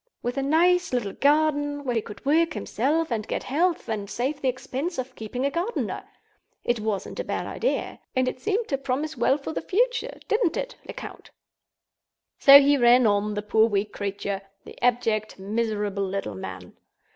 With a nice little garden—where he could work himself, and get health, and save the expense of keeping a gardener? It wasn't a bad idea. And it seemed to promise well for the future—didn't it, Lecount? So he ran on—the poor weak creature! the abject, miserable little man!